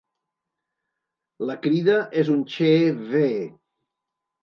La crida és un "chee-veee".